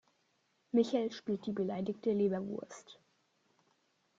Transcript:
Michel spielt die beleidigte Leberwurst.